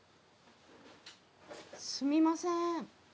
すみません。